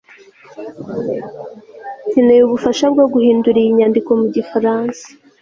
nkeneye ubufasha bwo guhindura iyi nyandiko mu gifaransa